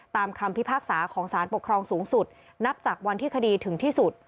คำพิพากษาของสารปกครองสูงสุดนับจากวันที่คดีถึงที่สุด